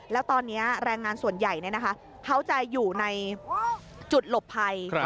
แล้วตอนนี้แรงงานส่วนใหญ่เขาจะอยู่ในจุดหลบภัย